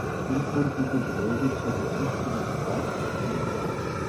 Urkundliche Belege zur Geschichte des Orts sind rar.